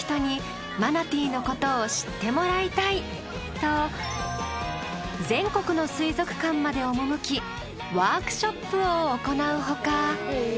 と全国の水族館まで赴きワークショップを行う他